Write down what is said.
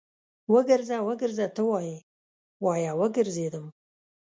وګرځه، وګرځه ته وايې، وايه وګرځېدم